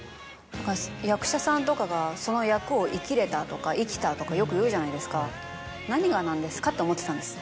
だから役者さんとかがその役を生きれたとか生きたとかよく言うじゃないですか。って思ってたんです。